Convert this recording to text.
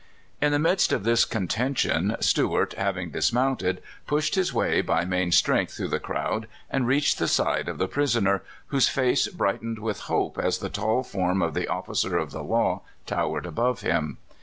In the midst of this contention, Stuart, having dismounted, pushed his way by main strength throuij^h the crowd, and reached the side of the prisoner, whose face brightened with hope as the tall form of the officer of the law towered above him.